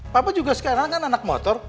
papa juga sekarang kan anak motor